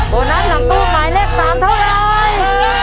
โบนัสหลังตู้หมายเลข๓เท่าไร